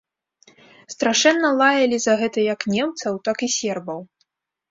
Страшэнна лаялі за гэта як немцаў, так і сербаў.